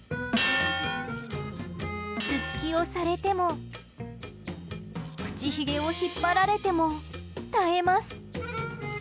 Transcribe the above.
頭突きをされても、口ひげを引っ張られても耐えます。